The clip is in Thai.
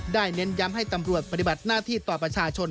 เน้นย้ำให้ตำรวจปฏิบัติหน้าที่ต่อประชาชน